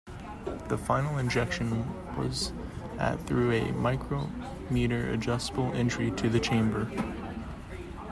The final injection was at through a micrometer-adjustable entry to the chamber.